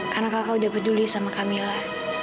karena kakak udah peduli sama kamila